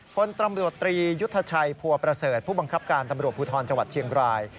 พลตำรวจตรียุทธชัยพัวประเสริฐผู้บังคับการตำรวจภูทรจังหวัดเชียงราย